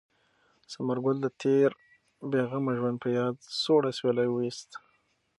ثمر ګل د تېر بې غمه ژوند په یاد سوړ اسویلی ویوست.